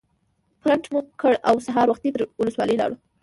پرنټ مو کړ او سهار وختي تر ولسوالۍ لاړو.